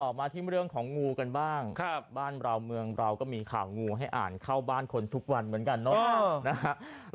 มาที่เรื่องของงูกันบ้างบ้านเราเมืองเราก็มีข่าวงูให้อ่านเข้าบ้านคนทุกวันเหมือนกันเนาะ